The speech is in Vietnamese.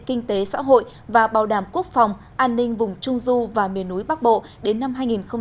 kinh tế xã hội và bảo đảm quốc phòng an ninh vùng trung du và miền núi bắc bộ đến năm hai nghìn hai mươi